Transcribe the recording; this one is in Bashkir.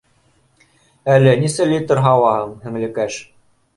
— Әле нисә литр һауаһың, һеңлекәш?